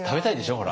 ほら！